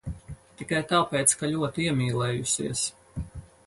Tikai tāpēc, ka ļoti iemīlējusies.